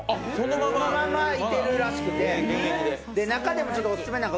そのままいてるらしくて中でもオススメ